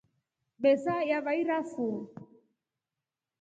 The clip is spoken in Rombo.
Besa yavairafu.